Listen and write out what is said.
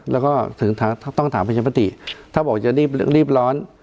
แล้วก็ถึงต้องถามมันเจ็บถ้าบอกว่ารีบร้อน